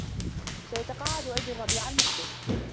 سيتقاعد أبي الربيع المقبل.